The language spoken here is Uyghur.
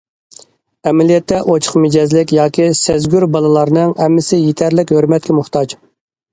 ئەلۋەتتە، ئوچۇق مىجەزلىك ياكى سەزگۈر بالىلارنىڭ ھەممىسى يېتەرلىك ھۆرمەتكە موھتاج.